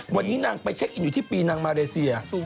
วันนี้นางไปเช็คอินอยู่ที่ปีนางมาเลเซีย